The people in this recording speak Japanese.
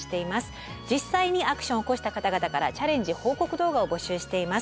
実際にアクションを起こした方々からチャレンジ報告動画を募集しています。